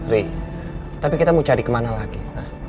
rey tapi kita mau cari kemana lagi